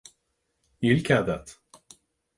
Níl cead agat.